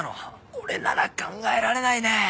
俺なら考えられないね。